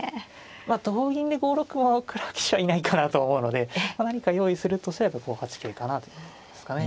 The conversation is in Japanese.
まあ同銀で５六馬を食らう棋士はいないかなと思うので何か用意するとしたらやっぱり５八桂かなというところですかね。